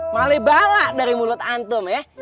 male bala dari mulut antum ya